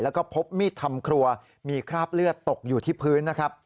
แล้วก็พบมีดทำครัวมีคราบเลือดตกอยู่ที่พื้นนะครับ